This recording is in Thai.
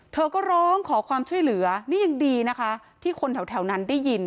เธอก็ร้องขอความช่วยเหลือนี่ยังดีนะคะที่คนแถวนั้นได้ยิน